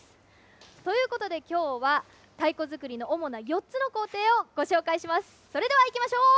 ということで、きょうは、太鼓作りの主な４つの工程をご紹介します。